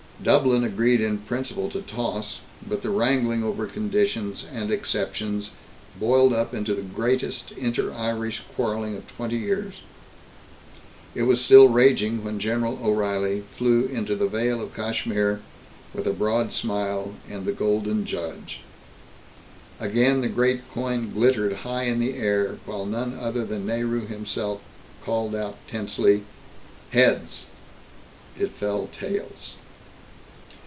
Dublin agreed in principle to toss, but the wrangling over conditions and exceptions boiled up into the greatest inter Irish quarreling of twenty years. It was still raging when General O'Reilly flew into the Vale of Kashmir with a broad smile and the Golden Judge. Again the great coin glittered high in the air while none other than Nehru himself called out, tensely: "Heads!" It fell "Tails."